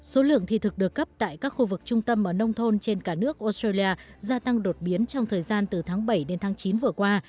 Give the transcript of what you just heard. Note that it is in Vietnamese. số lượng thị thực được cấp tại các khu vực trung tâm ở nông thôn trên cả nước australia gia tăng đột biến trong thời gian từ tháng bảy đến tháng chín vừa qua